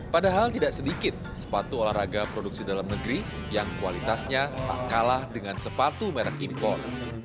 padahal tidak sedikit sepatu olahraga produksi dalam negeri yang kualitasnya tak kalah dengan sepatu merek impor